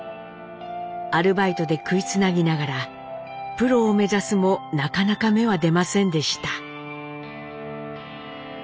アルバイトで食いつなぎながらプロを目指すもなかなか芽は出ませんでした。